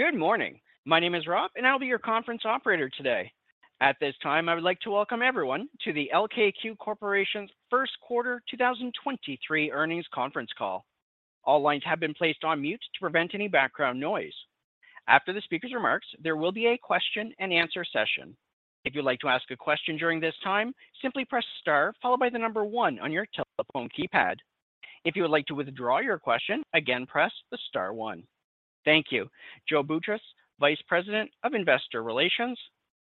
Good morning. My name is Rob, and I'll be your conference operator today. At this time, I would like to welcome everyone to the LKQ Corporation's Q1 2023 Earnings Conference Call. All lines have been placed on mute to prevent any background noise. After the speaker's remarks, there will be a question-and-answer session. If you'd like to ask a question during this time, simply press star followed by the number one on your telephone keypad. If you would like to withdraw your question, again, press the star one. Thank you. Joe Boutross, Vice President of Investor Relations,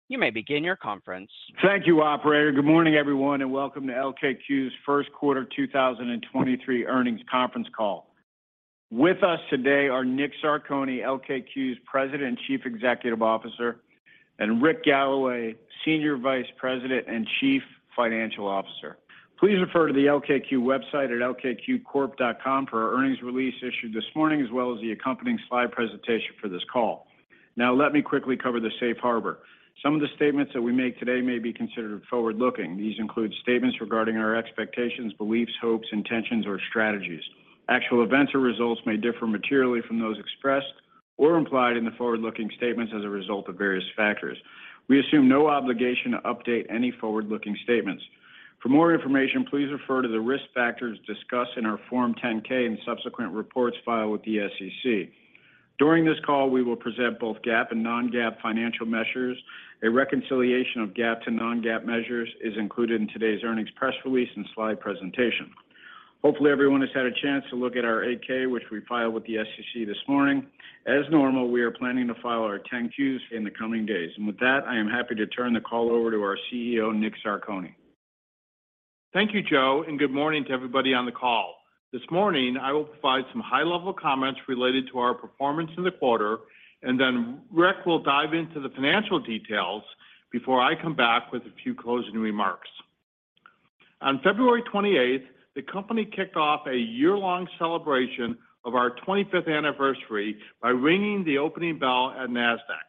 you may begin your conference. Thank you, operator. Good morning, everyone, and Welcome to LKQ's Q1 2023 Earnings Conference Call. With us today are Nick Zarcone, LKQ's President and Chief Executive Officer, and Rick Galloway, Senior Vice President and Chief Financial Officer. Please refer to the LKQ website at lkqcorp.com for our earnings release issued this morning as well as the accompanying slide presentation for this call. Let me quickly cover the Safe Harbor. Some of the statements that we make today may be considered forward-looking. These include statements regarding our expectations, beliefs, hopes, intentions, or strategies. Actual events or results may differ materially from those expressed or implied in the forward-looking statements as a result of various factors. We assume no obligation to update any forward-looking statements. For more information, please refer to the risk factors discussed in our Form 10-K and subsequent reports filed with the SEC. During this call, we will present both GAAP and non-GAAP financial measures. A reconciliation of GAAP to non-GAAP measures is included in today's earnings press release and slide presentation. Hopefully, everyone has had a chance to look at our 8-K, which we filed with the SEC this morning. As normal, we are planning to file our 10-Qs in the coming days. With that, I am happy to turn the call over to our CEO, Nick Zarcone. Thank you, Joe, and good morning to everybody on the call. This morning, I will provide some high-level comments related to our performance in the quarter, and then Rick will dive into the financial details before I come back with a few closing remarks. On February 28th, the company kicked off a year-long celebration of our 25th anniversary by ringing the opening bell at Nasdaq.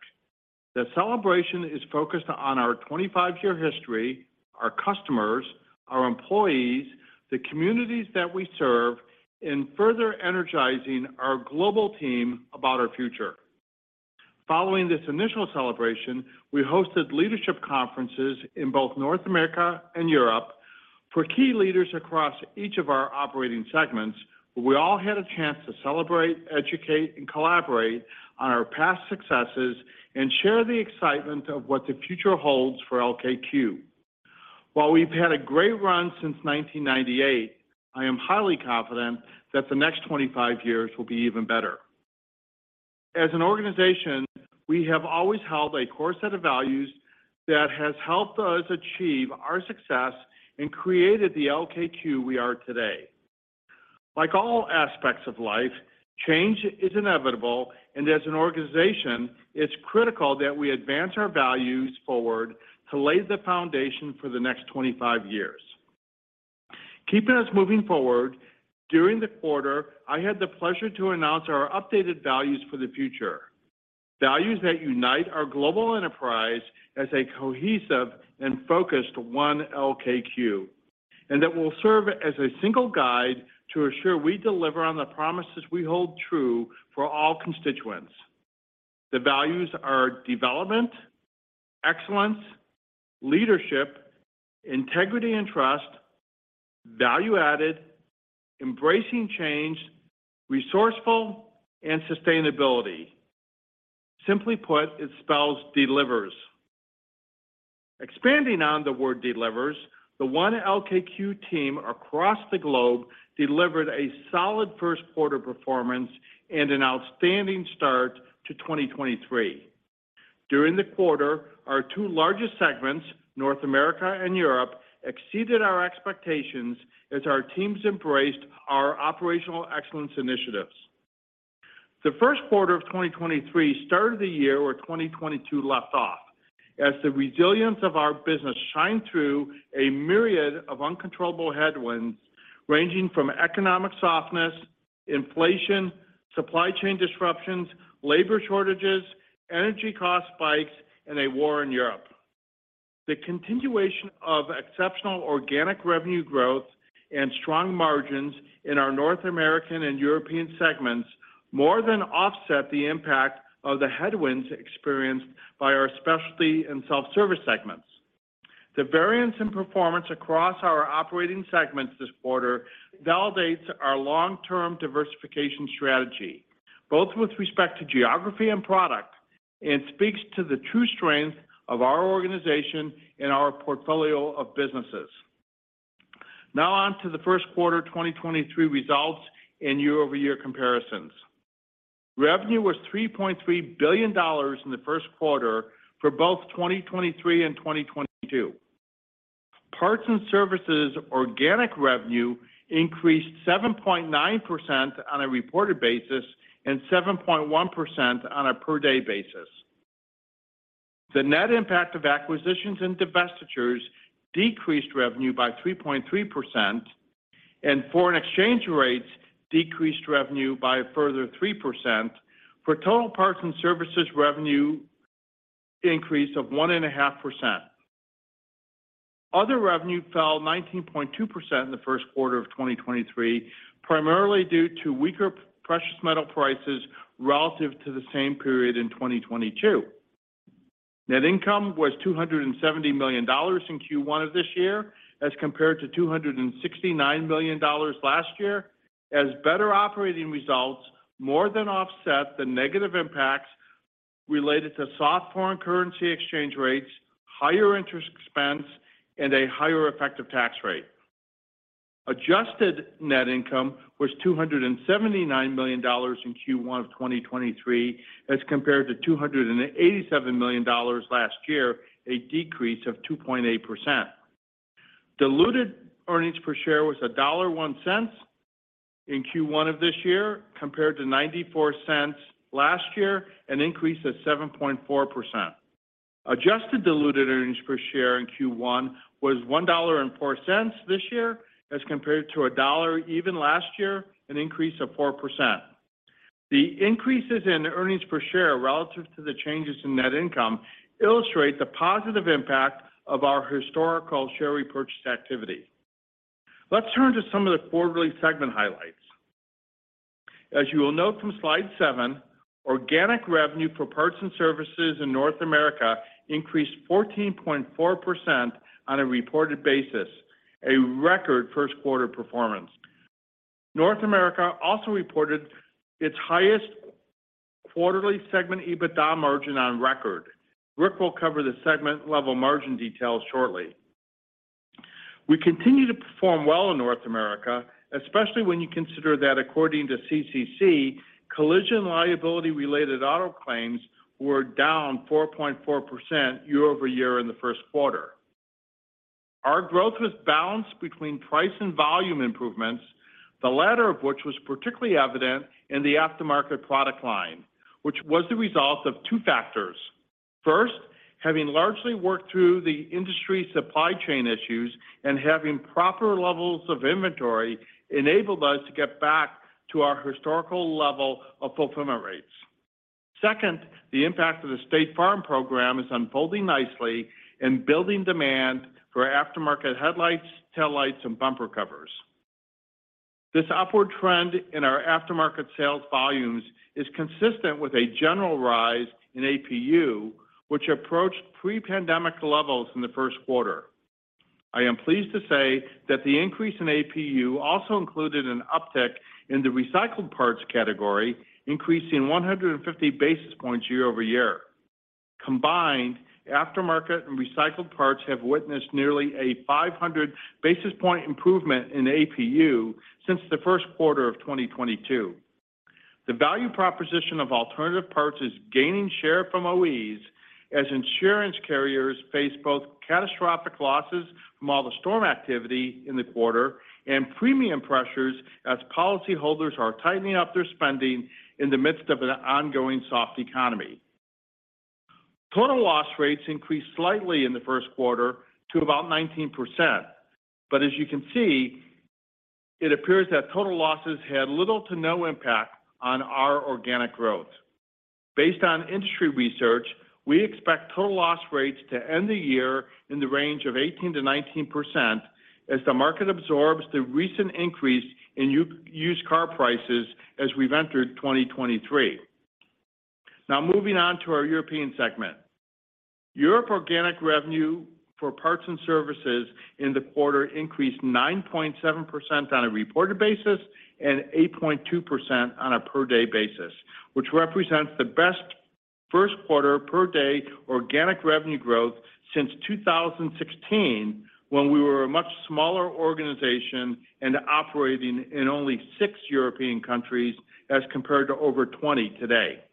The celebration is focused on our 25-year history, our customers, our employees, the communities that we serve, and further energizing our global team about our future. Following this initial celebration, we hosted leadership conferences in both North America and Europe for key leaders across each of our operating segments. We all had a chance to celebrate, educate, and collaborate on our past successes and share the excitement of what the future holds for LKQ. While we've had a great run since 1998, I am highly confident that the next 25 years will be even better. As an organization, we have always held a core set of values that has helped us achieve our success and created the LKQ we are today. Like all aspects of life, change is inevitable, and as an organization, it's critical that we advance our values forward to lay the foundation for the next 25 years. Keeping us moving forward, during the quarter, I had the pleasure to announce our updated values for the future. Values that unite our global enterprise as a cohesive and focused 1 LKQ, and that will serve as a single guide to assure we deliver on the promises we hold true for all constituents. The values are development, excellence, leadership, integrity and trust, value-added, embracing change, resourceful, and sustainability. Simply put, it spells DELIVERS. Expanding on the word DELIVERS, the 1 LKQ team across the globe delivered a solid 1st quarter performance and an outstanding start to 2023. During the quarter, our two largest segments, North America and Europe, exceeded our expectations as our teams embraced our operational excellence initiatives. The Q1 of 2023 started the year where 2022 left off as the resilience of our business shined through a myriad of uncontrollable headwinds ranging from economic softness, inflation, supply chain disruptions, labor shortages, energy cost spikes, and a war in Europe. The continuation of exceptional organic revenue growth and strong margins in our North American and European segments more than offset the impact of the headwinds experienced by our specialty and self-service segments. The variance in performance across our operating segments this quarter validates our long-term diversification strategy, both with respect to geography and product, and speaks to the true strength of our organization and our portfolio of businesses. Now on to the Q1 2023 results and year-over-year comparisons. Revenue was $3.3 billion in the Q1 for both 2023 and 2022. Parts and Services organic revenue increased 7.9% on a reported basis and 7.1% on a per-day basis. The net impact of acquisitions and divestitures decreased revenue by 3.3%, and foreign exchange rates decreased revenue by a further 3% for total Parts and Services revenue increase of 1.5%. Other revenue fell 19.2% in the Q1 of 2023, primarily due to weaker precious metal prices relative to the same period in 2022. Net income was $270 million in Q1 of this year as compared to $269 million last year as better operating results more than offset the negative impacts related to soft foreign currency exchange rates, higher interest expense, and a higher effective tax rate. Adjusted net income was $279 million in Q1 of 2023 as compared to $287 million last year, a decrease of 2.8%. Diluted earnings per share was $1.01 in Q1 of this year compared to $0.94 last year, an increase of 7.4%. Adjusted diluted earnings per share in Q1 was $1.04 this year as compared to $1.00 last year, an increase of 4%. The increases in earnings per share relative to the changes in net income illustrate the positive impact of our historical share repurchase activity. Let's turn to some of the quarterly segment highlights. As you will note from Slide 7, organic revenue for parts and services in North America increased 14.4% on a reported basis, a record Q1 performance. North America also reported its highest quarterly segment EBITDA margin on record. Rick will cover the segment level margin details shortly. We continue to perform well in North America, especially when you consider that according to CCC, collision liability-related auto claims were down 4.4% year-over-year in the Q1. Our growth was balanced between price and volume improvements, the latter of which was particularly evident in the aftermarket product line, which was the result of two factors. First, having largely worked through the industry supply chain issues and having proper levels of inventory enabled us to get back to our historical level of fulfillment rates. Second, the impact of the State Farm program is unfolding nicely in building demand for aftermarket headlights, taillights, and bumper covers. This upward trend in our aftermarket sales volumes is consistent with a general rise in APU, which approached pre-pandemic levels in the Q1. I am pleased to say that the increase in APU also included an uptick in the recycled parts category, increasing 150 basis points year-over-year. Combined, aftermarket and recycled parts have witnessed nearly a 500 basis point improvement in APU since the Q1 of 2022. The value proposition of alternative parts is gaining share from OEs as insurance carriers face both catastrophic losses from all the storm activity in the quarter and premium pressures as policyholders are tightening up their spending in the midst of an ongoing soft economy. Total loss rates increased slightly in the Q1 to about 19%. As you can see, it appears that total losses had little to no impact on our organic growth. Based on industry research, we expect total loss rates to end the year in the range of 18%-19% as the market absorbs the recent increase in used car prices as we've entered 2023. Now moving on to our European segment. Europe organic revenue for parts and services in the quarter increased 9.7% on a reported basis and 8.2% on a per day basis, which represents the best Q1 per day organic revenue growth since 2016 when we were a much smaller organization and operating in only six European countries as compared to over 20 today.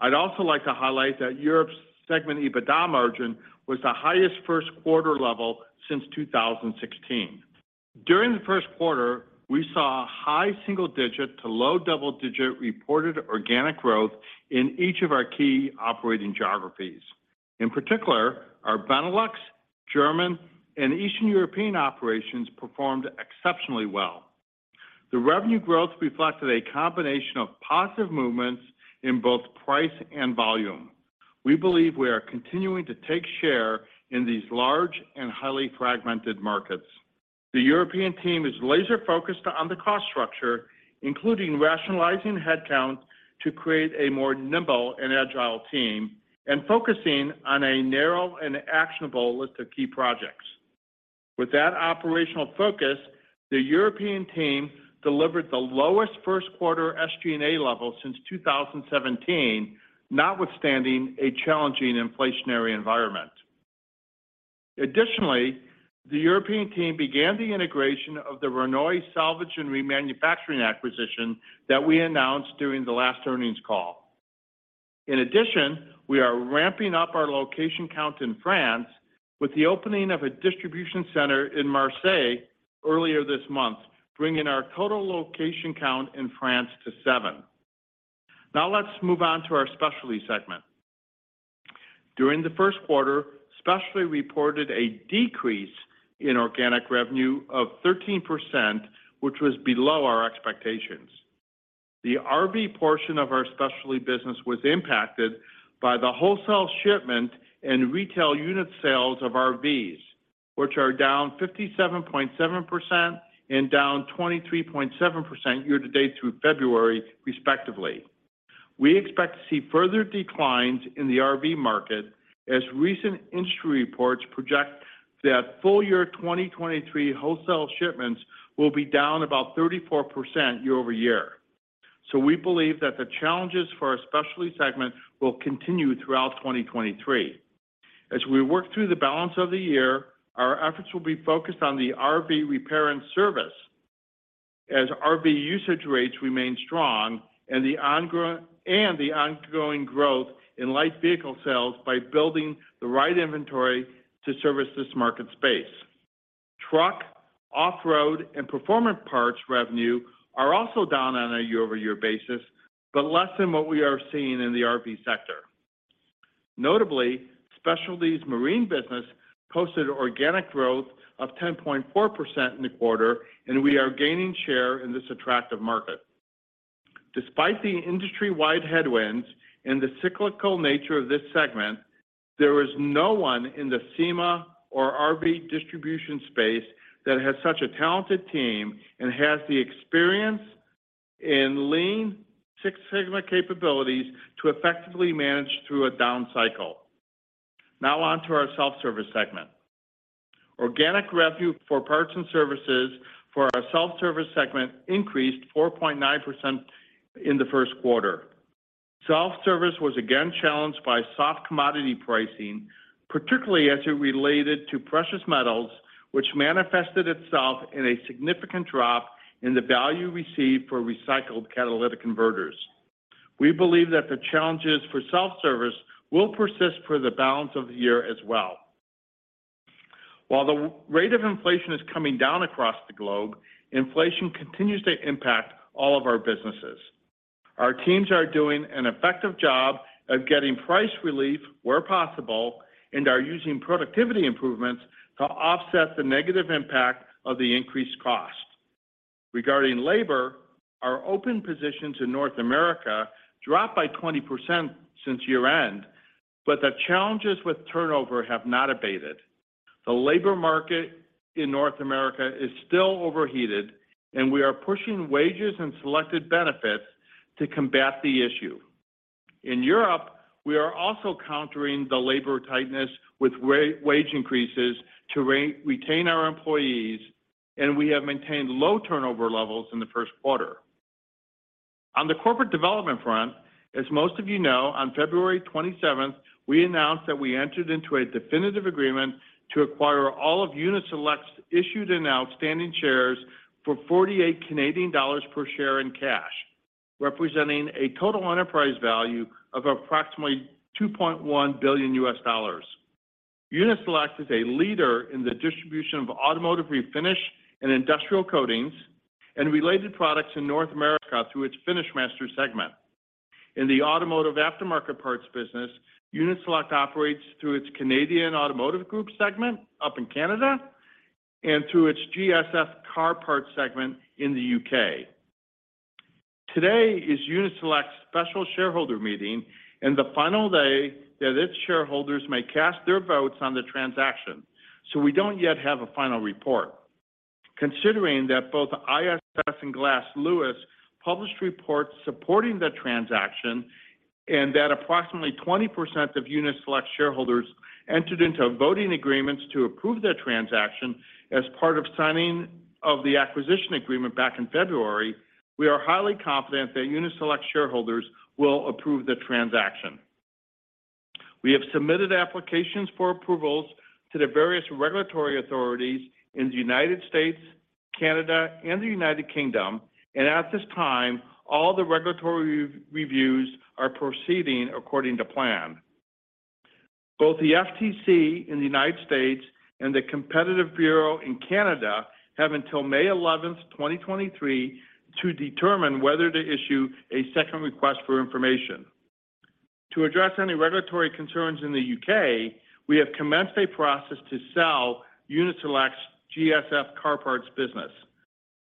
I'd also like to highlight that Europe's segment EBITDA margin was the highest Q1 level since 2016. During the Q1, we saw high single-digit to low double-digit reported organic growth in each of our key operating geographies. In particular, our Benelux, German, and Eastern European operations performed exceptionally well. The revenue growth reflected a combination of positive movements in both price and volume. We believe we are continuing to take share in these large and highly fragmented markets. The European team is laser-focused on the cost structure, including rationalizing headcount to create a more nimble and agile team and focusing on a narrow and actionable list of key projects. With that operational focus, the European team delivered the lowest Q1 SG&A level since 2017, notwithstanding a challenging inflationary environment. Additionally, the European team began the integration of the Rhenoy Salvage and Remanufacturing acquisition that we announced during the last earnings call. In addition, we are ramping up our location count in France with the opening of a distribution center in Marseille earlier this month, bringing our total location count in France to 7. Let's move on to our Specialty segment. During the Q1, Specialty reported a decrease in organic revenue of 13%, which was below our expectations. The RV portion of our Specialty business was impacted by the wholesale shipment and retail unit sales of RVs, which are down 57.7% and down 23.7% year-to-date through February, respectively. We expect to see further declines in the RV market as recent industry reports project that full year 2023 wholesale shipments will be down about 34% year-over-year. We believe that the challenges for our Specialty segment will continue throughout 2023. As we work through the balance of the year, our efforts will be focused on the RV repair and service as RV usage rates remain strong and the ongoing growth in light vehicle sales by building the right inventory to service this market space. Truck, off-road, and performance parts revenue are also down on a year-over-year basis, but less than what we are seeing in the RV sector. Notably, Specialty Marine business posted organic growth of 10.4% in the quarter, and we are gaining share in this attractive market. Despite the industry-wide headwinds and the cyclical nature of this segment, there is no one in the SEMA or RV distribution space that has such a talented team and has the experience in Lean Six Sigma capabilities to effectively manage through a down cycle. On to our self-service segment. Organic revenue for parts and services for our self-service segment increased 4.9% in the Q1. Self-service was again challenged by soft commodity pricing, particularly as it related to precious metals, which manifested itself in a significant drop in the value received for recycled catalytic converters. We believe that the challenges for self-service will persist for the balance of the year as well. While the rate of inflation is coming down across the globe, inflation continues to impact all of our businesses. Our teams are doing an effective job of getting price relief where possible and are using productivity improvements to offset the negative impact of the increased cost. Regarding labor, our open positions in North America dropped by 20% since year-end, but the challenges with turnover have not abated. The labor market in North America is still overheated. We are pushing wages and selected benefits to combat the issue. In Europe, we are also countering the labor tightness with wage increases to retain our employees. We have maintained low turnover levels in the Q1. On the corporate development front, as most of you know, on February 27th, we announced that we entered into a definitive agreement to acquire all of Uni-Select's issued and outstanding shares for 48 Canadian dollars per share in cash, representing a total enterprise value of approximately $2.1 billion. Uni-Select is a leader in the distribution of automotive refinish and industrial coatings and related products in North America through its FinishMaster segment. In the automotive aftermarket parts business, Uni-Select operates through its Canadian Automotive Group segment up in Canada and through its GSF Car Parts segment in the UK. Today is Uni-Select's special shareholder meeting and the final day that its shareholders may cast their votes on the transaction. We don't yet have a final report. Considering that both ISS and Glass Lewis published reports supporting the transaction and that approximately 20% of Uni-Select shareholders entered into voting agreements to approve the transaction as part of signing of the acquisition agreement back in February, we are highly confident that Uni-Select shareholders will approve the transaction. We have submitted applications for approvals to the various regulatory authorities in the U.S., Canada, and the U.K. At this time, all the regulatory reviews are proceeding according to plan. Both the FTC in the U.S. and the Competition Bureau in Canada have until May 11, 2023 to determine whether to issue a second request for information. To address any regulatory concerns in the U.K., we have commenced a process to sell Uni-Select's GSF Car Parts business.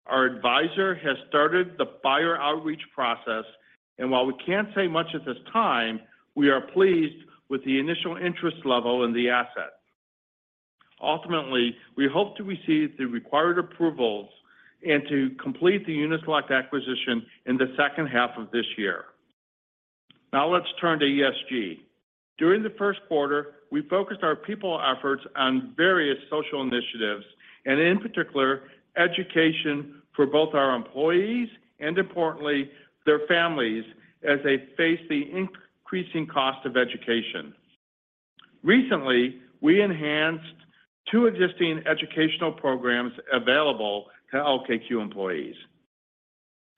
Our advisor has started the buyer outreach process, and while we can't say much at this time, we are pleased with the initial interest level in the asset. Ultimately, we hope to receive the required approvals and to complete the Uni-Select acquisition in the second half of this year. Now let's turn to ESG. During the Q1, we focused our people efforts on various social initiatives and in particular, education for both our employees and importantly, their families as they face the increasing cost of education. Recently, we enhanced two existing educational programs available to LKQ employees.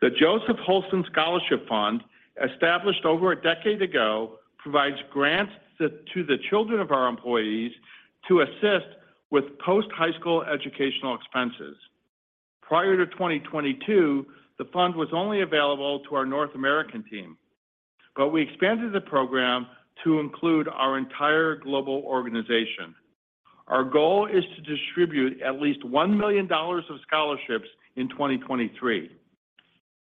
The Joseph Holston Scholarship Fund, established over a decade ago, provides grants to the children of our employees to assist with post-high school educational expenses. Prior to 2022, the fund was only available to our North American team. We expanded the program to include our entire global organization. Our goal is to distribute at least $1 million of scholarships in 2023.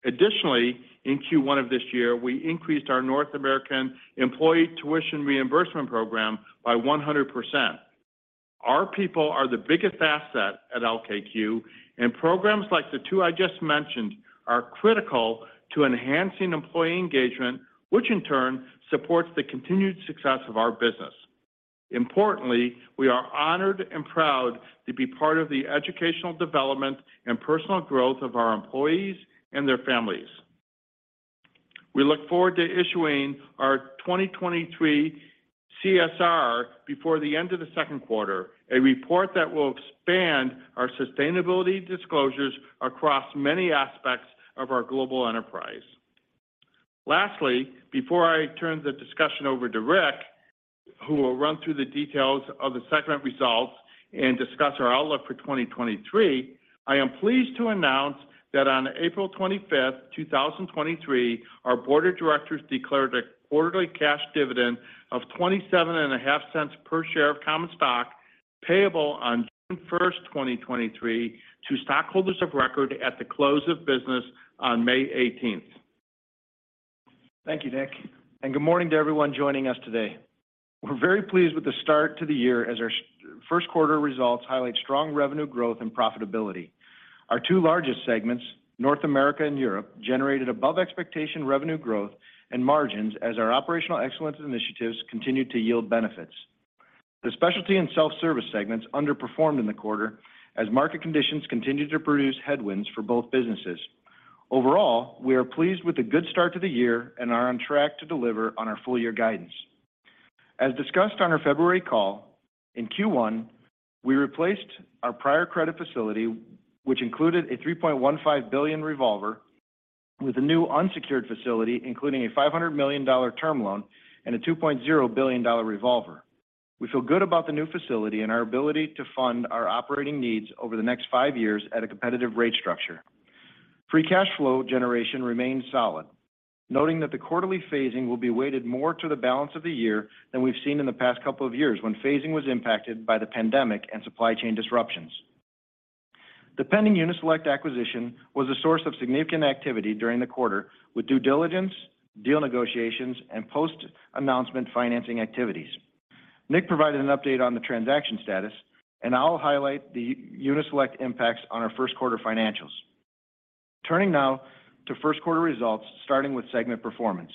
Additionally, in Q1 of this year, we increased our North American employee tuition reimbursement program by 100%. Our people are the biggest asset at LKQ, and programs like the two I just mentioned are critical to enhancing employee engagement, which in turn supports the continued success of our business. Importantly, we are honored and proud to be part of the educational development and personal growth of our employees and their families. We look forward to issuing our 2023 CSR before the end of the Q2, a report that will expand our sustainability disclosures across many aspects of our global enterprise. Lastly, before I turn the discussion over to Rick, who will run through the details of the segment results and discuss our outlook for 2023, I am pleased to announce that on April 25, 2023, our board of directors declared a quarterly cash dividend of $0.275 per share of common stock, payable on June 1, 2023 to stockholders of record at the close of business on May 18. Thank you, Nick, and good morning to everyone joining us today. We're very pleased with the start to the year as our Q1 results highlight strong revenue growth and profitability. Our two largest segments, North America and Europe, generated above expectation revenue growth and margins as our operational excellence initiatives continued to yield benefits. The specialty and self-service segments underperformed in the quarter as market conditions continued to produce headwinds for both businesses. Overall, we are pleased with the good start to the year and are on track to deliver on our full year guidance. As discussed on our February call, in Q1, we replaced our prior credit facility, which included a $3.15 billion revolver with a new unsecured facility, including a $500 million term loan and a $2.0 billion revolver. We feel good about the new facility and our ability to fund our operating needs over the next five years at a competitive rate structure. Free cash flow generation remains solid, noting that the quarterly phasing will be weighted more to the balance of the year than we've seen in the past couple of years when phasing was impacted by the pandemic and supply chain disruptions. The pending Uni-Select acquisition was a source of significant activity during the quarter with due diligence, deal negotiations, and post-announcement financing activities. Nick provided an update on the transaction status, and I'll highlight the Uni-Select impacts on our Q1 financials. Turning now to Q1 results, starting with segment performance.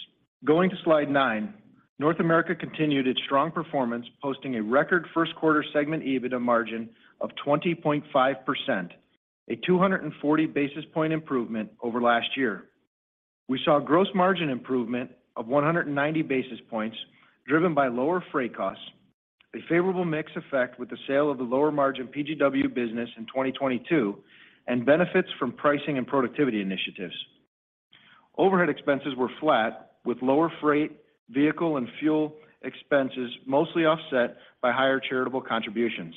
Going to Slide 9, North America continued its strong performance, posting a record Q1 segment EBITDA margin of 20.5%, a 240 basis point improvement over last year. We saw gross margin improvement of 190 basis points driven by lower freight costs, a favorable mix effect with the sale of the lower margin PGW business in 2022, and benefits from pricing and productivity initiatives. Overhead expenses were flat, with lower freight, vehicle, and fuel expenses mostly offset by higher charitable contributions.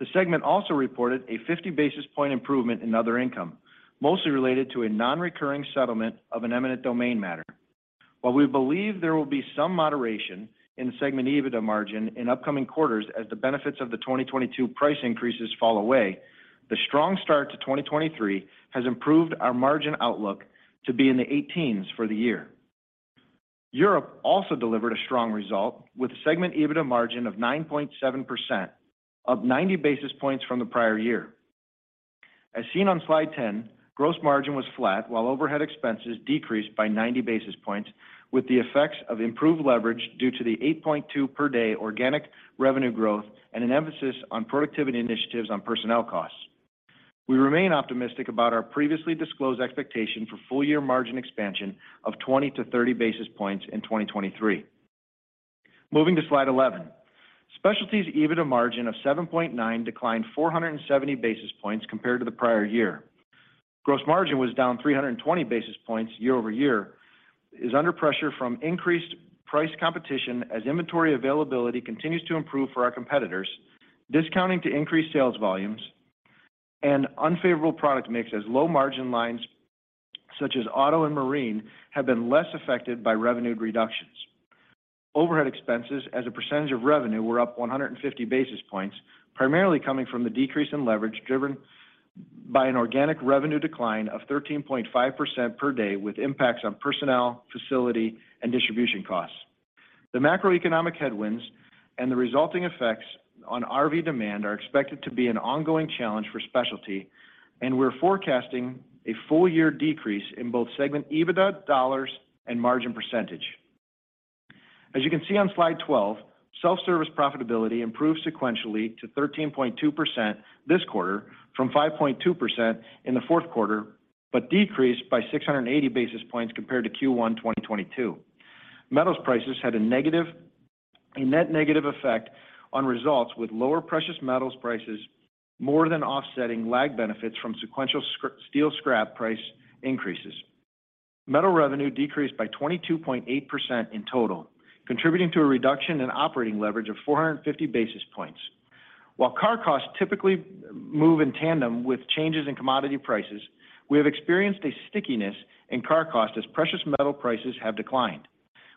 The segment also reported a 50 basis point improvement in other income, mostly related to a non-recurring settlement of an eminent domain matter. While we believe there will be some moderation in segment EBITDA margin in upcoming quarters as the benefits of the 2022 price increases fall away, the strong start to 2023 has improved our margin outlook to be in the 18s for the year. Europe also delivered a strong result with a segment EBITDA margin of 9.7%, up 90 basis points from the prior year. As seen on Slide 10, gross margin was flat while overhead expenses decreased by 90 basis points, with the effects of improved leverage due to the 8.2% per day organic revenue growth and an emphasis on productivity initiatives on personnel costs. We remain optimistic about our previously disclosed expectation for full year margin expansion of 20-30 basis points in 2023. Moving to Slide 11. Specialty's EBITDA margin of 7.9 declined 470 basis points compared to the prior year. Gross margin was down 320 basis points year-over-year, is under pressure from increased price competition as inventory availability continues to improve for our competitors, discounting to increase sales volumes, and unfavorable product mix as low margin lines such as auto and marine have been less affected by revenue reductions. Overhead expenses as a percentage of revenue were up 150 basis points, primarily coming from the decrease in leverage driven by an organic revenue decline of 13.5% per day with impacts on personnel, facility, and distribution costs. The macroeconomic headwinds and the resulting effects on RV demand are expected to be an ongoing challenge for specialty. We're forecasting a full year decrease in both segment EBITDA dollars and margin percentage. As you can see on Slide 12, self-service profitability improved sequentially to 13.2% this quarter from 5.2% in the Q4, decreased by 680 basis points compared to Q1 2022. Metals prices had a net negative effect on results with lower precious metals prices more than offsetting lag benefits from sequential steel scrap price increases. Metal revenue decreased by 22.8% in total, contributing to a reduction in operating leverage of 450 basis points. Car costs typically move in tandem with changes in commodity prices, we have experienced a stickiness in car cost as precious metal prices have declined,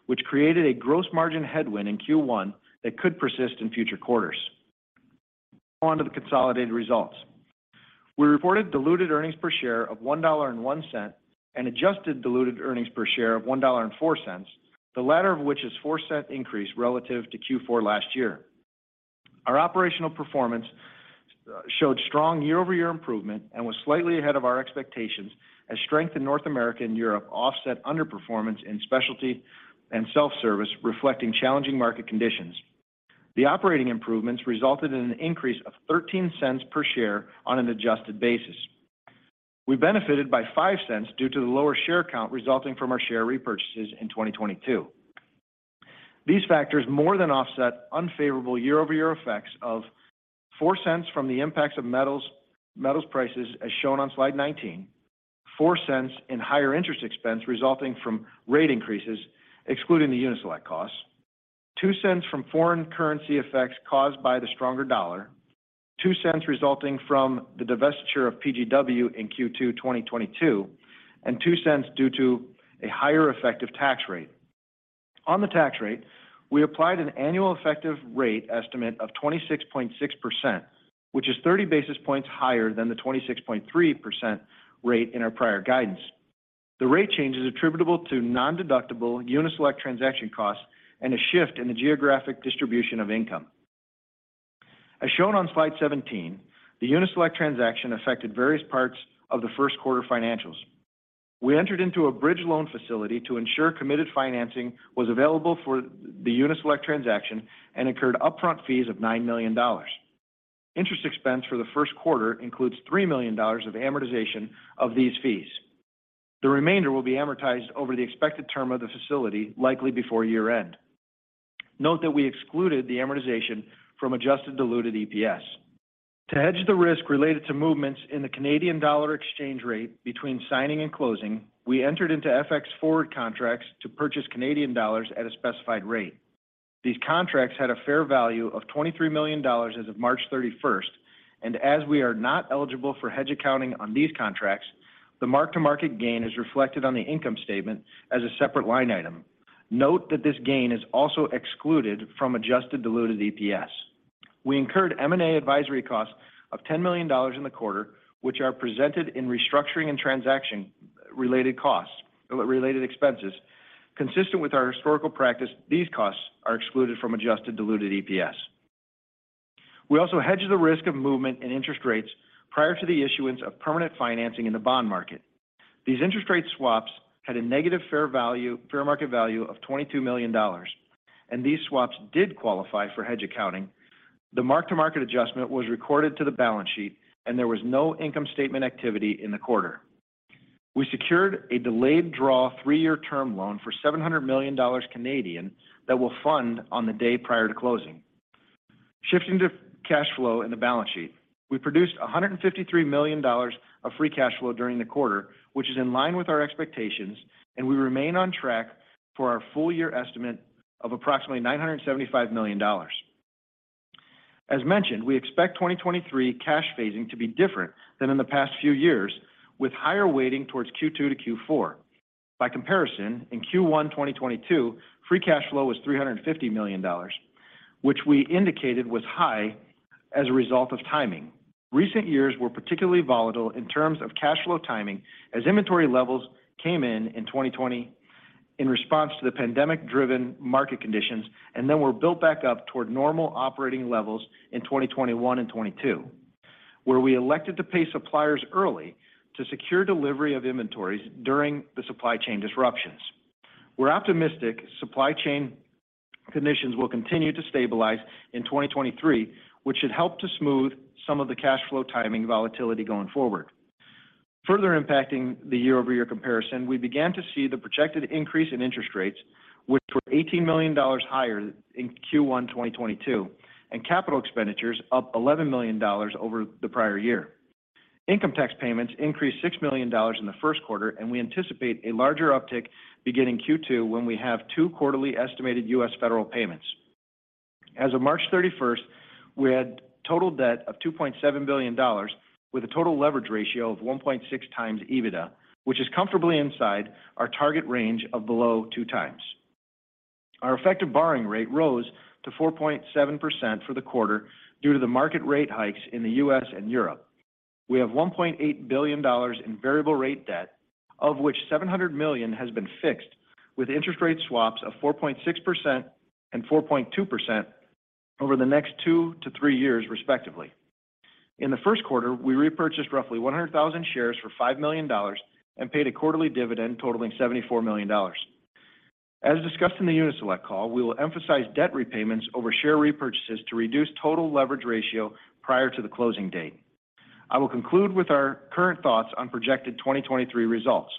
which created a gross margin headwind in Q1 that could persist in future quarters. On to the consolidated results. We reported diluted earnings per share of $1.01, and adjusted diluted earnings per share of $1.04, the latter of which is 4 cent increase relative to Q4 last year. Our operational performance showed strong year-over-year improvement and was slightly ahead of our expectations as strength in North America and Europe offset underperformance in specialty and self-service, reflecting challenging market conditions. The operating improvements resulted in an increase of 13 cents per share on an adjusted basis. We benefited by 5 cents due to the lower share count resulting from our share repurchases in 2022. These factors more than offset unfavorable year-over-year effects of $0.04 from the impacts of metals prices as shown on Slide 19, $0.04 in higher interest expense resulting from rate increases, excluding the Uni-Select costs, $0.02 from foreign currency effects caused by the stronger dollar, $0.02 resulting from the divestiture of PGW in Q2 2022, and $0.02 due to a higher effective tax rate. On the tax rate, we applied an annual effective rate estimate of 26.6%, which is 30 basis points higher than the 26.3% rate in our prior guidance. The rate change is attributable to nondeductible Uni-Select transaction costs and a shift in the geographic distribution of income. As shown on Slide 17, the Uni-Select transaction affected various parts of the Q1 financials. We entered into a bridge loan facility to ensure committed financing was available for the Uni-Select transaction and incurred upfront fees of $9 million. Interest expense for the Q1 includes $3 million of amortization of these fees. The remainder will be amortized over the expected term of the facility, likely before year-end. Note that we excluded the amortization from adjusted diluted EPS. To hedge the risk related to movements in the Canadian dollar exchange rate between signing and closing, we entered into FX forward contracts to purchase Canadian dollars at a specified rate. These contracts had a fair value of $23 million as of March 31st, and as we are not eligible for hedge accounting on these contracts, the mark-to-market gain is reflected on the income statement as a separate line item. Note that this gain is also excluded from adjusted diluted EPS. We incurred M&A advisory costs of $10 million in the quarter, which are presented in restructuring and transaction-related costs, related expenses. Consistent with our historical practice, these costs are excluded from adjusted diluted EPS. We also hedged the risk of movement in interest rates prior to the issuance of permanent financing in the bond market. These interest rate swaps had a negative fair market value of $22 million. These swaps did qualify for hedge accounting. The mark-to-market adjustment was recorded to the balance sheet. There was no income statement activity in the quarter. We secured a delayed draw three-year term loan for 700 million Canadian dollars that will fund on the day prior to closing. Shifting to cash flow in the balance sheet, we produced $153 million of free cash flow during the quarter, which is in line with our expectations. We remain on track for our full year estimate of approximately $975 million. As mentioned, we expect 2023 cash phasing to be different than in the past few years, with higher weighting towards Q2-Q4. By comparison, in Q1 2022, free cash flow was $350 million, which we indicated was high as a result of timing. Recent years were particularly volatile in terms of cash flow timing as inventory levels came in in 2020 in response to the pandemic-driven market conditions and then were built back up toward normal operating levels in 2021 and 2022, where we elected to pay suppliers early to secure delivery of inventories during the supply chain disruptions. We're optimistic supply chain conditions will continue to stabilize in 2023, which should help to smooth some of the cash flow timing volatility going forward. Further impacting the year-over-year comparison, we began to see the projected increase in interest rates, which were $18 million higher in Q1 2022, and capital expenditures up $11 million over the prior year. Income tax payments increased $6 million in the Q1, and we anticipate a larger uptick beginning Q2 when we have two quarterly estimated U.S. federal payments. As of March 31st, we had total debt of $2.7 billion with a total leverage ratio of 1.6x EBITDA, which is comfortably inside our target range of below 2x. Our effective borrowing rate rose to 4.7% for the quarter due to the market rate hikes in the U.S. and Europe. We have $1.8 billion in variable rate debt, of which $700 million has been fixed with interest rate swaps of 4.6% and 4.2% over the next 2-3 years, respectively. In the Q1, we repurchased roughly 100,000 shares for $5 million and paid a quarterly dividend totaling $74 million. As discussed in the Uni-Select call, we will emphasize debt repayments over share repurchases to reduce total leverage ratio prior to the closing date. I will conclude with our current thoughts on projected 2023 results.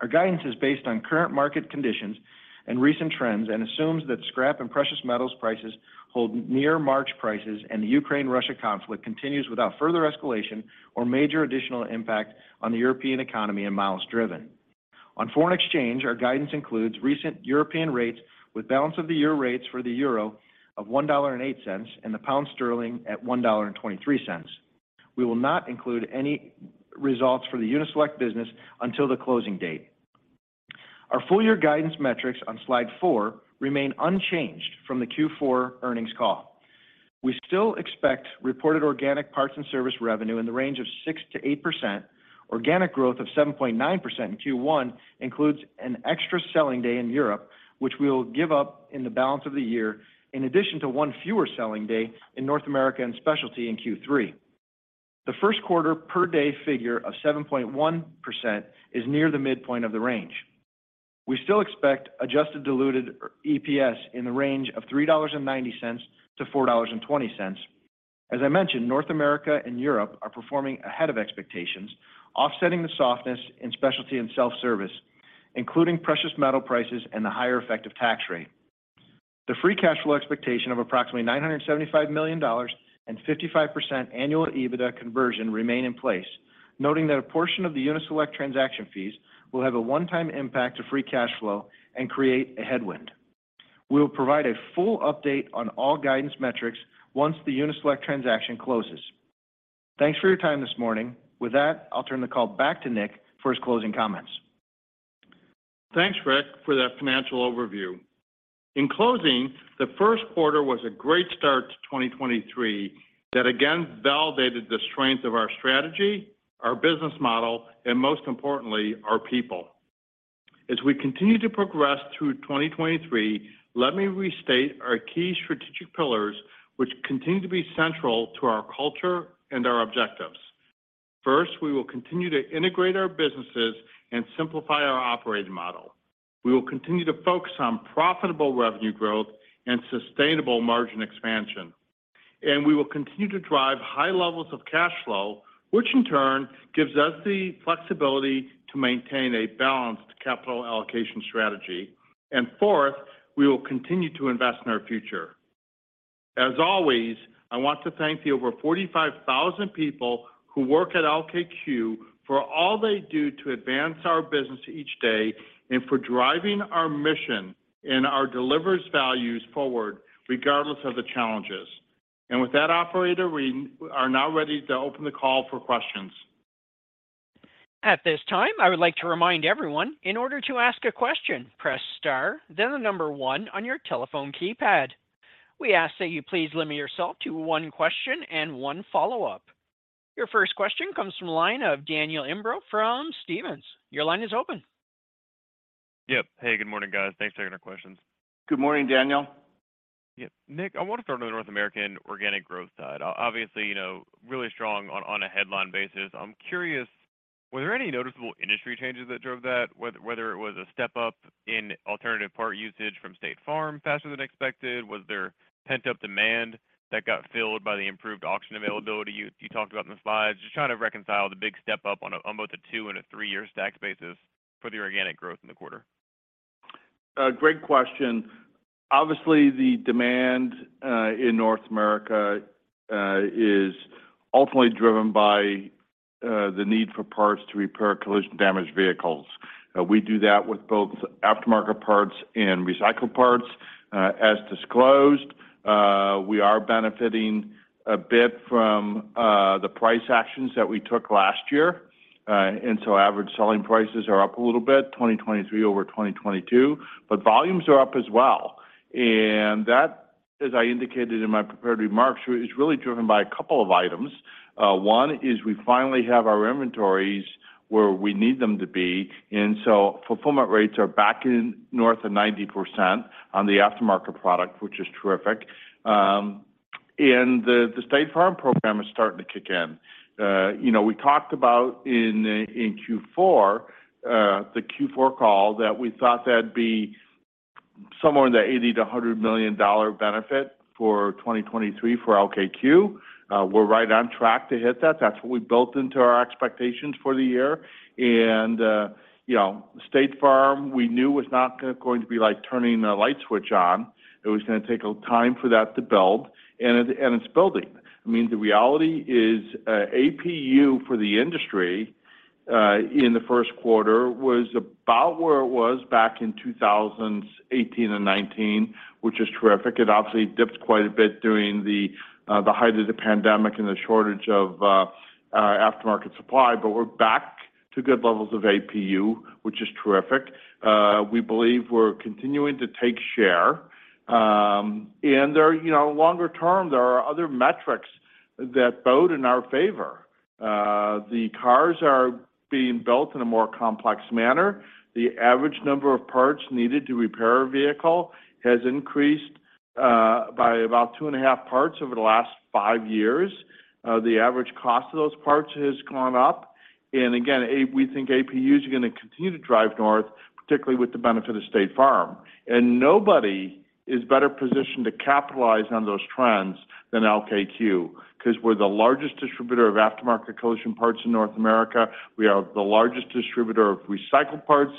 Our guidance is based on current market conditions and recent trends and assumes that scrap and precious metals prices hold near March prices and the Ukraine-Russia conflict continues without further escalation or major additional impact on the European economy and miles driven. On foreign exchange, our guidance includes recent European rates with balance of the year rates for the euro of $1.08, and the pound sterling at $1.23. We will not include any results for the Uni-Select business until the closing date. Our full year guidance metrics on Slide 4 remain unchanged from the Q4 earnings call. We still expect reported organic parts and service revenue in the range of 6%-8%. Organic growth of 7.9% in Q1 includes an extra selling day in Europe, which we will give up in the balance of the year, in addition to one fewer selling day in North America and specialty in Q3. The Q1 per day figure of 7.1% is near the midpoint of the range. We still expect adjusted diluted EPS in the range of $3.90-$4.20. As I mentioned, North America and Europe are performing ahead of expectations, offsetting the softness in specialty and self-service, including precious metal prices and the higher effective tax rate. The free cash flow expectation of approximately $975 million and 55% annual EBITDA conversion remain in place, noting that a portion of the Uni-Select transaction fees will have a one-time impact to free cash flow and create a headwind. We will provide a full update on all guidance metrics once the Uni-Select transaction closes. Thanks for your time this morning. With that, I'll turn the call back to Nick for his closing comments. Thanks, Rick, for that financial overview. In closing, the Q1 was a great start to 2023 that again validated the strength of our strategy, our business model, and most importantly, our people. As we continue to progress through 2023, let me restate our key strategic pillars, which continue to be central to our culture and our objectives. First, we will continue to integrate our businesses and simplify our operating model. We will continue to focus on profitable revenue growth and sustainable margin expansion. We will continue to drive high levels of cash flow, which in turn gives us the flexibility to maintain a balanced capital allocation strategy. Fourth, we will continue to invest in our future. I want to thank the over 45,000 people who work at LKQ for all they do to advance our business each day and for driving our mission and our DELIVERS values forward regardless of the challenges. With that, operator, we are now ready to open the call for questions. At this time, I would like to remind everyone, in order to ask a question, press star, then the number one on your telephone keypad. We ask that you please limit yourself to one question and one follow-up. Your first question comes from the line of Daniel Imbro from Stephens. Your line is open. Yep. Hey, good morning, guys. Thanks for taking our questions. Good morning, Daniel. Yep. Nick, I want to start on the North American organic growth side. obviously, you know, really strong on a headline basis. I'm curious, were there any noticeable industry changes that drove that, whether it was a step-up in alternative part usage from State Farm faster than expected? Was there pent-up demand that got filled by the improved auction availability you talked about in the slides? Just trying to reconcile the big step-up on both a two and a three-year stack basis for the organic growth in the quarter. Great question. Obviously, the demand, in North America, is ultimately driven by, the need for parts to repair collision-damaged vehicles. We do that with both aftermarket parts and recycled parts. As disclosed, we are benefiting a bit from, the price actions that we took last year. Average selling prices are up a little bit, 2023 over 2022, but volumes are up as well. That, as I indicated in my prepared remarks, is really driven by a couple of items. One is we finally have our inventories where we need them to be, and so fulfillment rates are back in north of 90% on the aftermarket product, which is terrific. The State Farm program is starting to kick in. You know, we talked about in Q4, the Q4 call that we thought that'd be somewhere in the $80 million-$100 million benefit for 2023 for LKQ. We're right on track to hit that. That's what we built into our expectations for the year. You know, State Farm, we knew was not going to be like turning a light switch on. It was gonna take a time for that to build, and it's building. I mean, the reality is, APU for the industry in the Q1 was about where it was back in 2018 and 2019, which is terrific. It obviously dipped quite a bit during the height of the pandemic and the shortage of aftermarket supply, but we're back to good levels of APU, which is terrific. We believe we're continuing to take share. There, you know, longer term, there are other metrics that bode in our favor. The cars are being built in a more complex manner. The average number of parts needed to repair a vehicle has increased by about 2.5 parts over the last 5 years. The average cost of those parts has gone up. Again, we think APUs are gonna continue to drive north, particularly with the benefit of State Farm. Nobody is better positioned to capitalize on those trends than LKQ, 'cause we're the largest distributor of aftermarket collision parts in North America. We are the largest distributor of recycled parts,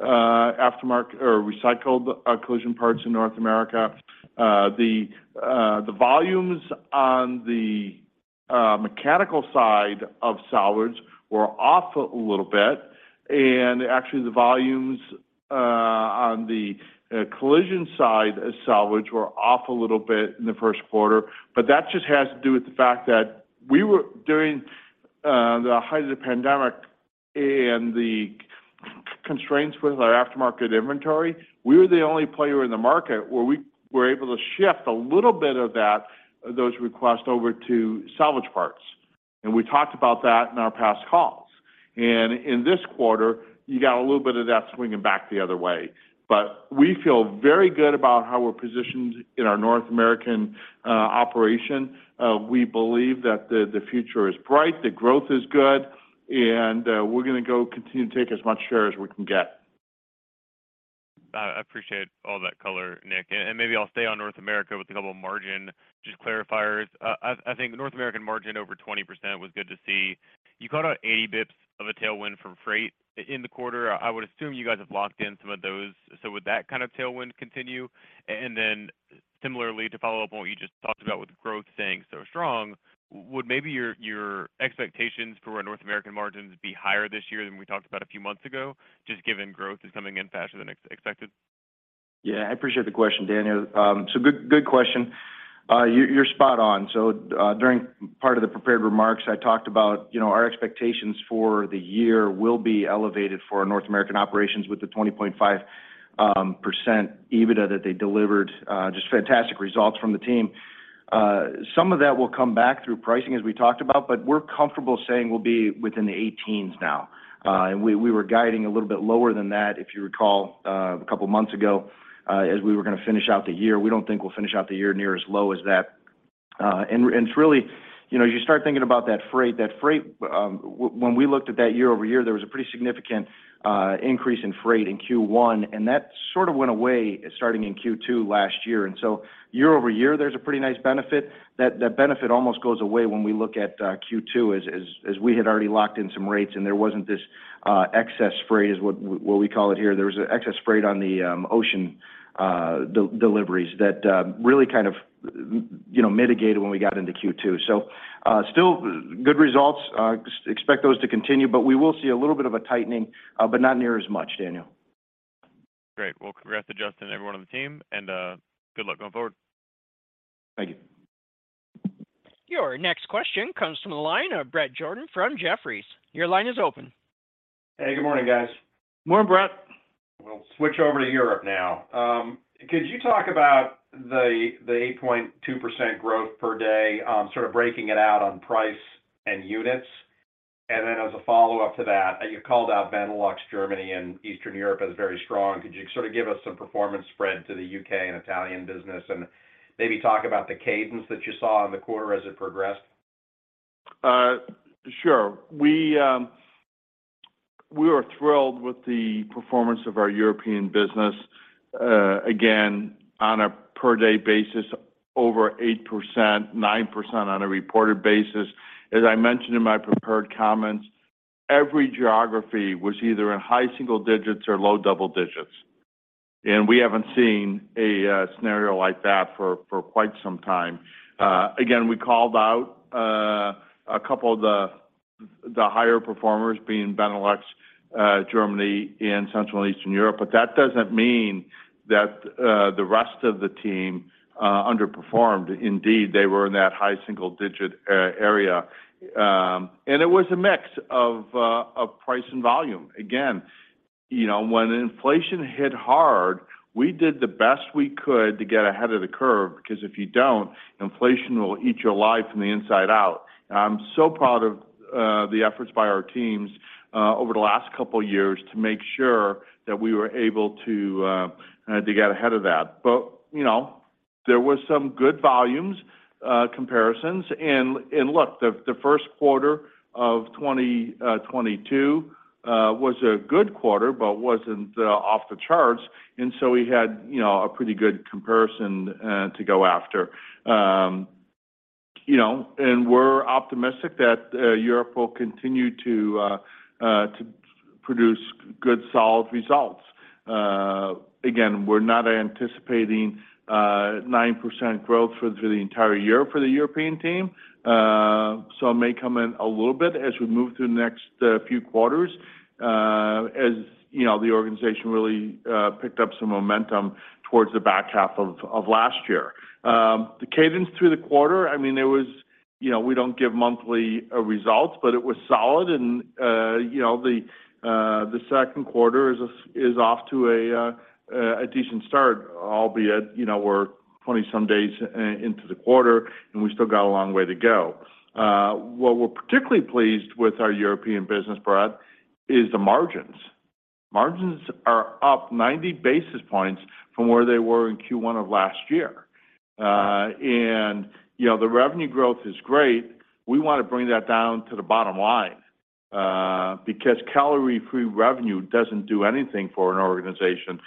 aftermarket or recycled collision parts in North America. The volumes on the mechanical side of salvage were off a little bit, actually the volumes on the collision side of salvage were off a little bit in the Q1. That just has to do with the fact that we were during the height of the pandemic and the constraints with our aftermarket inventory, we were the only player in the market where we were able to shift a little bit of that, those requests over to salvage parts. We talked about that in our past calls. In this quarter, you got a little bit of that swinging back the other way. We feel very good about how we're positioned in our North American operation. We believe that the future is bright, the growth is good, and we're gonna go continue to take as much share as we can get. I appreciate all that color, Nick. Maybe I'll stay on North America with a couple of margin just clarifiers. I think North American margin over 20% was good to see. You called out 80 basis points of a tailwind from freight in the quarter. I would assume you guys have locked in some of those. Would that kind of tailwind continue? Similarly, to follow up on what you just talked about with growth staying so strong, would maybe your expectations for our North American margins be higher this year than we talked about a few months ago, just given growth is coming in faster than expected? Yeah, I appreciate the question, Daniel. Good, good question. You're spot on. During part of the prepared remarks, I talked about, you know, our expectations for the year will be elevated for our North American operations with the 20.5% EBITDA that they delivered, just fantastic results from the team. Some of that will come back through pricing as we talked about, but we're comfortable saying we'll be within the 18s now. And we were guiding a little bit lower than that, if you recall, a couple of months ago, as we were gonna finish out the year. We don't think we'll finish out the year near as low as that. And it's really, you know, you start thinking about that freight. That freight, when we looked at that year-over-year, there was a pretty significant increase in freight in Q1, that sort of went away starting in Q2 last year. Year-over-year, there's a pretty nice benefit. That benefit almost goes away when we look at Q2 as we had already locked in some rates, and there wasn't this excess freight, what we call it here. There was an excess freight on the ocean deliveries that really kind of, you know, mitigated when we got into Q2. Still good results. Expect those to continue, but we will see a little bit of a tightening, but not near as much, Daniel. Great. Well, congrats to Justin and everyone on the team, and good luck going forward. Thank you. Your next question comes from the line of Bret Jordan from Jefferies. Your line is open. Hey, good morning, guys. Morning, Bret. We'll switch over to Europe now. Could you talk about the 8.2% growth per day, sort of breaking it out on price and units? As a follow-up to that, you called out Benelux, Germany, and Eastern Europe as very strong. Could you sort of give us some performance spread to the UK and Italian business and maybe talk about the cadence that you saw in the quarter as it progressed? Sure. We are thrilled with the performance of our European business, again, on a per-day basis, over 8%, 9% on a reported basis. As I mentioned in my prepared comments, every geography was either in high single digits or low double digits. We haven't seen a scenario like that for quite some time. Again, we called out a couple of the higher performers being Benelux, Germany and Central and Eastern Europe, but that doesn't mean that the rest of the team underperformed. Indeed, they were in that high single digit area. It was a mix of price and volume. Again, you know, when inflation hit hard, we did the best we could to get ahead of the curve 'cause if you don't, inflation will eat you alive from the inside out. I'm so proud of the efforts by our teams over the last couple of years to make sure that we were able to get ahead of that. You know, there was some good volumes comparisons. Look, the Q1 of 2022 was a good quarter, but wasn't off the charts. We had, you know, a pretty good comparison to go after. You know, we're optimistic that Europe will continue to produce good, solid results. Again, we're not anticipating 9% growth for through the entire year for the European team. It may come in a little bit as we move through the next few quarters, as, you know, the organization really picked up some momentum towards the back half of last year. The cadence through the quarter, I mean, it was, you know, we don't give monthly results, but it was solid and, you know, the Q2 is off to a decent start, albeit, you know, we're 20 some days into the quarter, and we still got a long way to go. What we're particularly pleased with our European business, Bret, is the margins. Margins are up 90 basis points from where they were in Q1 of last year. You know, the revenue growth is great. We wanna bring that down to the bottom line, because calorie-free revenue doesn't do anything for an organization.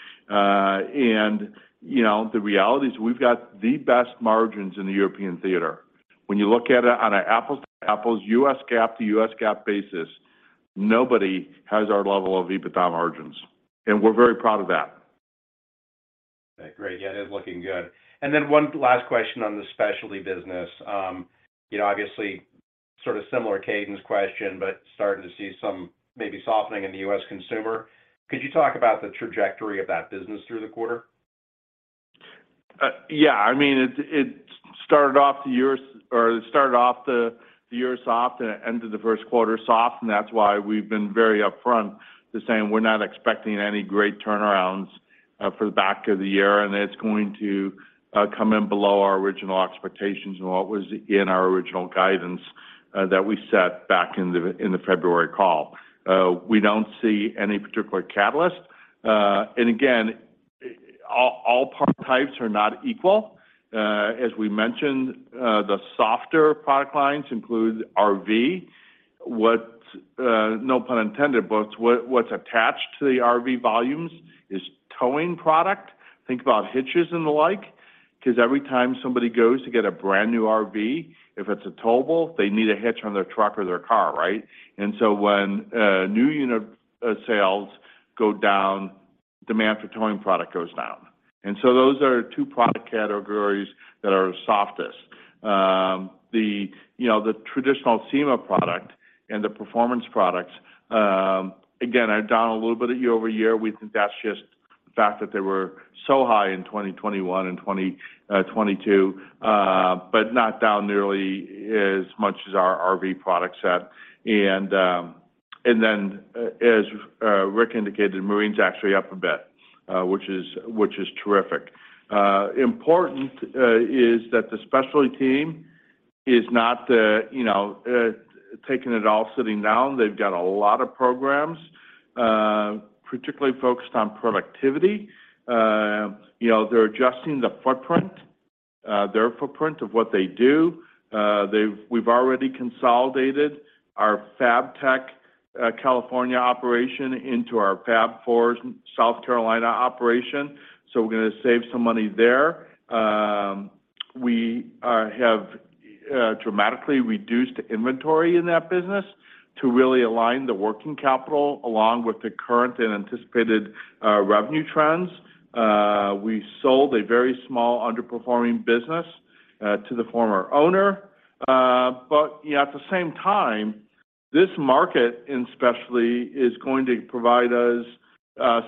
You know, the reality is we've got the best margins in the European theater. When you look at it on an apples to apples, US GAAP to US GAAP basis, nobody has our level of EBITDA margins, and we're very proud of that. Great. Yeah, it is looking good. One last question on the specialty business. You know, obviously sort of similar to Caden's question, but starting to see some maybe softening in the U.S. consumer. Could you talk about the trajectory of that business through the quarter? Yeah. I mean, it started off the year or it started off the year soft and it ended the Q1 soft. That's why we've been very upfront to saying we're not expecting any great turnarounds for the back of the year, and it's going to come in below our original expectations and what was in our original guidance that we set back in the February call. We don't see any particular catalyst. Again, all part types are not equal. As we mentioned, the softer product lines include RV. What, no pun intended, but what's attached to the RV volumes is towing product. Think about hitches and the like, 'cause every time somebody goes to get a brand-new RV, if it's a towable, they need a hitch on their truck or their car, right? When new unit sales go down, demand for towing product goes down. Those are two product categories that are softest. The, you know, the traditional SEMA product and the performance products, again, are down a little bit at year-over-year. We think that's just the fact that they were so high in 2021 and 2022, but not down nearly as much as our RV products have. As Rick indicated, Marine's actually up a bit, which is, which is terrific. Important is that the specialty team is not, you know, taking it all sitting down. They've got a lot of programs, particularly focused on productivity. You know, they're adjusting the footprint of what they do. We've already consolidated our Fabtech California operation into our Fab Fours, South Carolina operation, so we're gonna save some money there. We have dramatically reduced inventory in that business to really align the working capital along with the current and anticipated revenue trends. We sold a very small underperforming business to the former owner. Yeah, at the same time, this market in specialty is going to provide us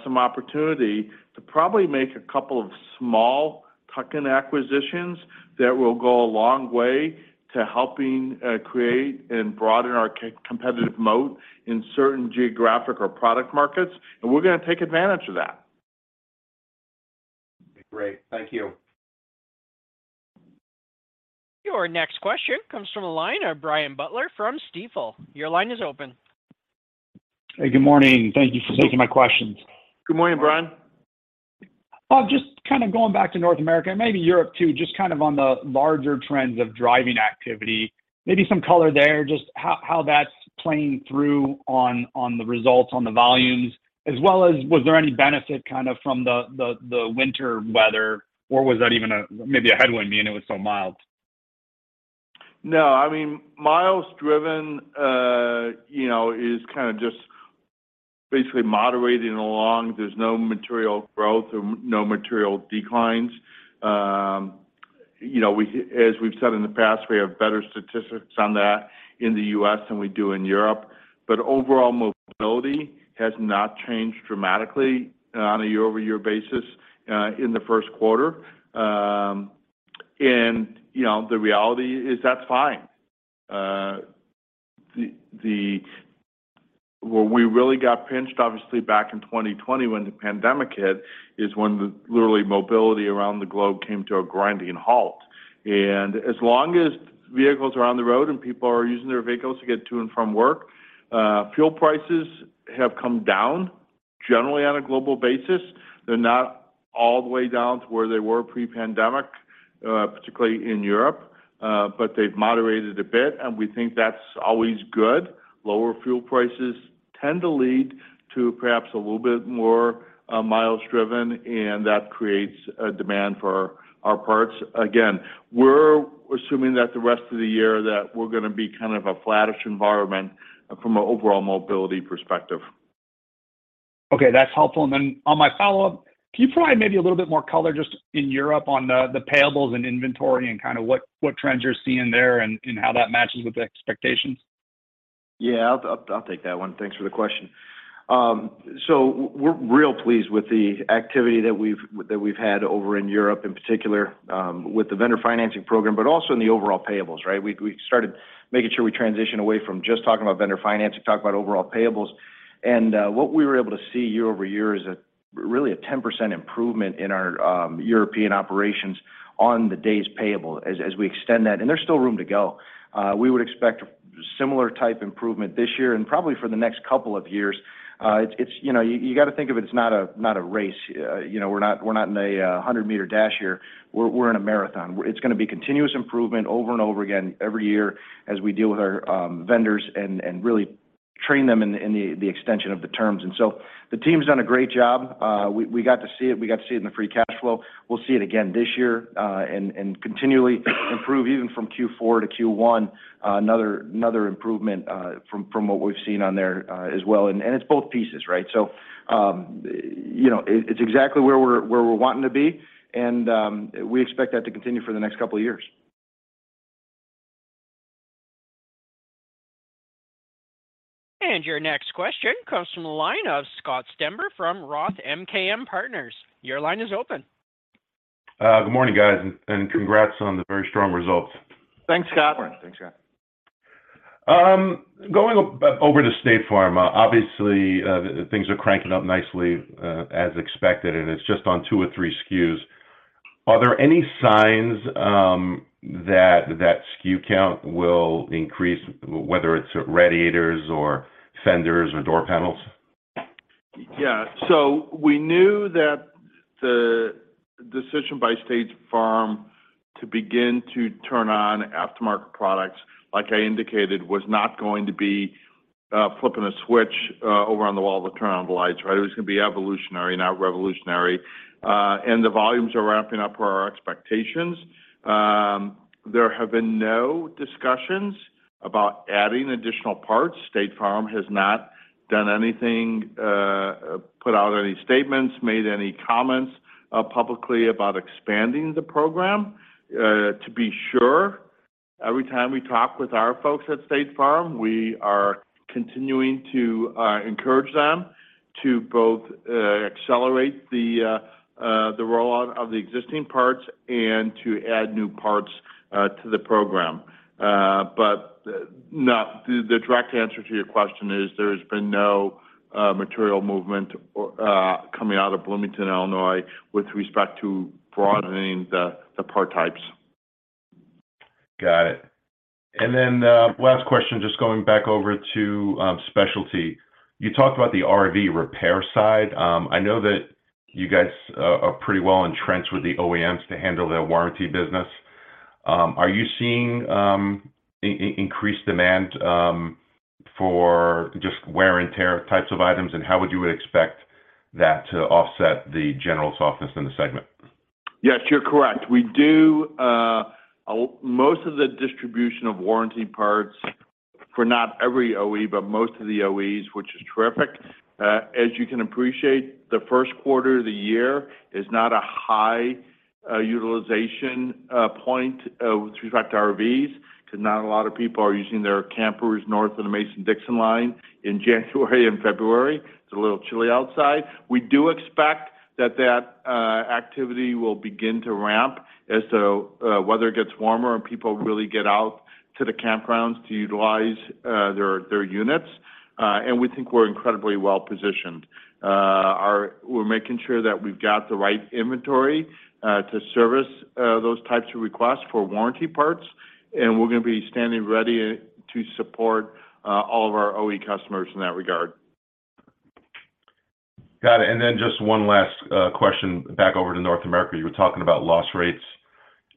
some opportunity to probably make a couple of small tuck-in acquisitions that will go a long way to helping create and broaden our competitive moat in certain geographic or product markets, and we're gonna take advantage of that. Great. Thank you. Your next question comes from the line of Brian Butler from Stifel. Your line is open. Hey, good morning. Thank Thank you for taking my questions. Good morning, Brian. Rob, just kind of going back to North America, and maybe Europe too, just kind of on the larger trends of driving activity, maybe some color there, just how that's playing through on the results, on the volumes, as well as was there any benefit kind of from the winter weather, or was that even maybe a headwind being it was so mild? No, I mean, miles driven, you know, is kind of just basically moderating along. There's no material growth or no material declines. You know, as we've said in the past, we have better statistics on that in the U.S. than we do in Europe, but overall mobility has not changed dramatically on a year-over-year basis in the Q1. You know, the reality is that's fine. Where we really got pinched obviously back in 2020 when the pandemic hit is when the literally mobility around the globe came to a grinding halt. As long as vehicles are on the road and people are using their vehicles to get to and from work, fuel prices have come down generally on a global basis. They're not all the way down to where they were pre-pandemic, particularly in Europe, but they've moderated a bit. We think that's always good. Lower fuel prices tend to lead to perhaps a little bit more miles driven. That creates a demand for our parts. Again, we're assuming that the rest of the year that we're gonna be kind of a flattish environment from an overall mobility perspective. Okay, that's helpful. On my follow-up, can you provide maybe a little bit more color just in Europe on the payables and inventory and kind of what trends you're seeing there and how that matches with the expectations? Yeah. I'll take that one. Thanks for the question. We're real pleased with the activity that we've had over in Europe, in particular, with the vendor financing program, but also in the overall payables, right? We started making sure we transition away from just talking about vendor financing, talk about overall payables. What we were able to see year-over-year is a really a 10% improvement in our European operations on the days payable as we extend that, and there's still room to go. We would expect similar type improvement this year and probably for the next couple of years. It's, you know, you gotta think of it's not a race. You know, we're not in a 100 meter dash here. We're in a marathon. It's gonna be continuous improvement over and over again every year as we deal with our vendors and really train them in the extension of the terms. The team's done a great job. We got to see it. We got to see it in the free cash flow. We'll see it again this year, and continually improve even from Q4 to Q1. Another improvement from what we've seen on there as well. It's both pieces, right? You know, it's exactly where we're wanting to be and we expect that to continue for the next couple of years. Your next question comes from the line of Scott Stember from Roth MKM Partners. Your line is open. Good morning, guys, and congrats on the very strong results. Thanks, Scott. Good morning. Thanks, Scott. Going over to State Farm, obviously, things are cranking up nicely, as expected, and it's just on 2 or 3 SKUs. Are there any signs that that SKU count will increase, whether it's radiators or fenders or door panels? We knew that the decision by State Farm to begin to turn on aftermarket products, like I indicated, was not going to be flipping a switch over on the wall to turn on the lights, right? It was gonna be evolutionary, not revolutionary. The volumes are ramping up per our expectations. There have been no discussions about adding additional parts. State Farm has not done anything, put out any statements, made any comments, publicly about expanding the program. To be sure, every time we talk with our folks at State Farm, we are continuing to encourage them to both accelerate the rollout of the existing parts and to add new parts to the program. No, the direct answer to your question is there has been no material movement or coming out of Bloomington, Illinois with respect to broadening the part types. Got it. Last question, just going back over to Specialty. You talked about the RV repair side. I know that you guys are pretty well entrenched with the OEMs to handle their warranty business. Are you seeing increased demand for just wear and tear types of items, and how would you expect that to offset the general softness in the segment? Yes, you're correct. We do most of the distribution of warranty parts for not every OE, but most of the OEs, which is terrific. As you can appreciate, the Q1 of the year is not a high utilization point with respect to RVs, 'cause not a lot of people are using their campers north of the Mason-Dixon line in January and February. It's a little chilly outside. We do expect that activity will begin to ramp as the weather gets warmer and people really get out to the campgrounds to utilize their units. We think we're incredibly well-positioned. We're making sure that we've got the right inventory to service those types of requests for warranty parts, and we're gonna be standing ready to support all of our OE customers in that regard. Got it. Then just one last question back over to North America. You were talking about loss rates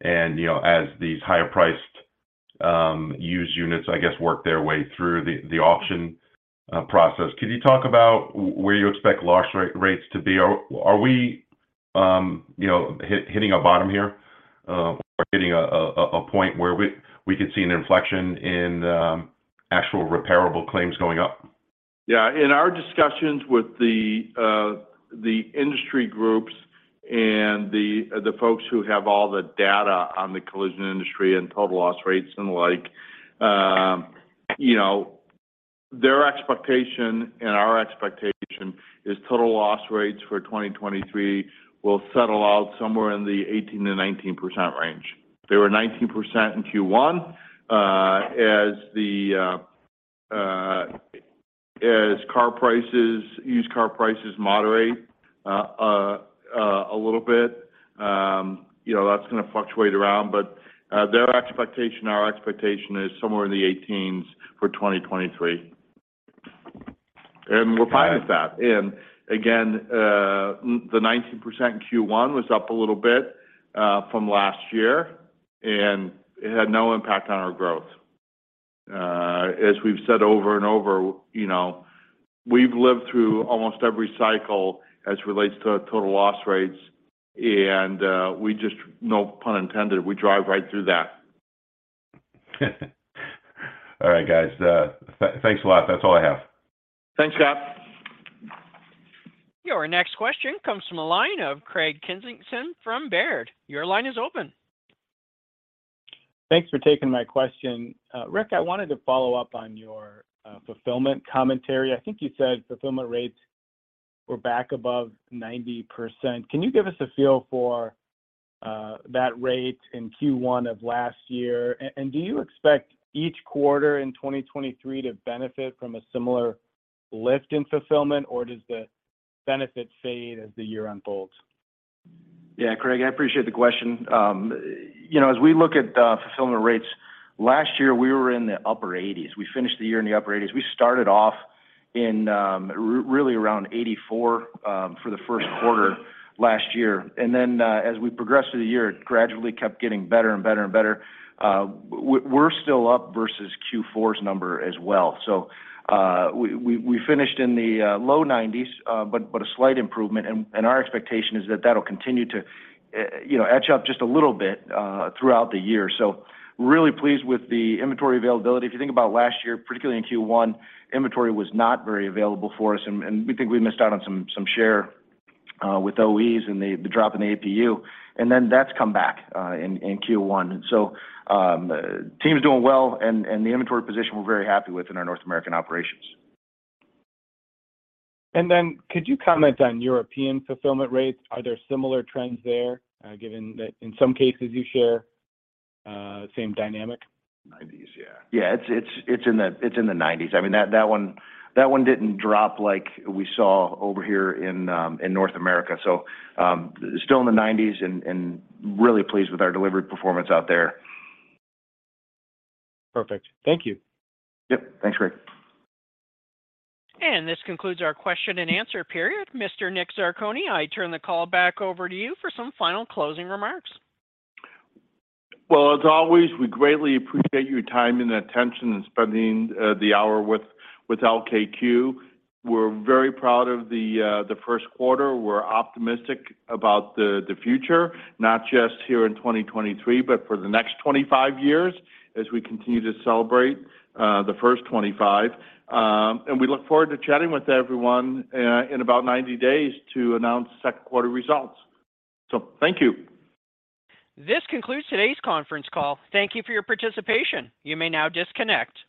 and, you know, as these higher priced used units, I guess, work their way through the auction process. Could you talk about where you expect loss rates to be? Are we, you know, hitting a bottom here, or hitting a point where we could see an inflection in actual repairable claims going up? Yeah. In our discussions with the industry groups and the folks who have all the data on the collision industry and total loss rates and the like, you know, their expectation and our expectation is total loss rates for 2023 will settle out somewhere in the 18%-19% range. They were 19% in Q1. As car prices, used car prices moderate a little bit, you know, that's gonna fluctuate around. Their expectation, our expectation is somewhere in the 18s for 2023. We're fine with that. Got it. Again, the 19% in Q1 was up a little bit from last year, and it had no impact on our growth. As we've said over and over, you know, we've lived through almost every cycle as relates to total loss rates, and we just, no pun intended, we drive right through that. All right, guys, thanks a lot. That's all I have. Thanks, Scott. Your next question comes from the line of Craig Kennison from Baird. Your line is open. Thanks for taking my question. Rick, I wanted to follow up on your fulfillment commentary. I think you said fulfillment rates were back above 90%. Can you give us a feel for that rate in Q1 of last year? Do you expect each quarter in 2023 to benefit from a similar lift in fulfillment, or does the benefit fade as the year unfolds? Yeah, Craig, I appreciate the question. You know, as we look at the fulfillment rates, last year we were in the upper 80s. We finished the year in the upper 80s. We started off in really around 84 for the Q1 last year. As we progressed through the year, it gradually kept getting better and better and better. We're still up versus Q4's number as well. We finished in the low 90s, a slight improvement. Our expectation is that that'll continue to, you know, edge up just a little bit throughout the year. Really pleased with the inventory availability. If you think about last year, particularly in Q1, inventory was not very available for us, and we think we missed out on some share with OEs and the drop in the APU. That's come back in Q1. Team's doing well, and the inventory position we're very happy with in our North American operations. Could you comment on European fulfillment rates? Are there similar trends there, given that in some cases you share the same dynamic? 90s, yeah. Yeah. It's in the 90s. I mean, that one didn't drop like we saw over here in North America. Still in the 90s and really pleased with our delivered performance out there. Perfect. Thank you. Yep. Thanks, Craig. This concludes our question and answer period. Mr. Nick Zarcone, I turn the call back over to you for some final closing remarks. As always, we greatly appreciate your time and attention in spending the hour with LKQ. We're very proud of the Q1. We're optimistic about the future, not just here in 2023, but for the next 25 years as we continue to celebrate the first 25. We look forward to chatting with everyone in about 90 days to announce Q2 results. Thank you. This concludes today's conference call. Thank you for your participation. You may now disconnect.